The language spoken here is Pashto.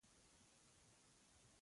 که دې هر څومره کوچې کوچې ورته وویلې.